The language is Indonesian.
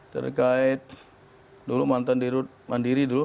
terkait dulu mantan dirut mandiri dulu